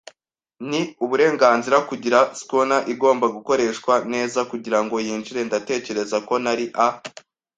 n'iburengerazuba, kugirango schooner igomba gukoreshwa neza kugirango yinjire. Ndatekereza ko nari a